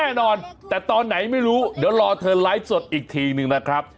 แน่นอนแต่ตอนไหนไม่รู้เดี๋ยวรอเธอไลฟ์สดอีกทีหนึ่งนะครับ